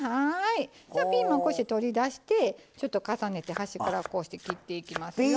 じゃあピーマンこうして取り出してちょっと重ねて端からこうして切っていきますよ。